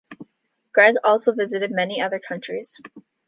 Greg has also visited many other countries.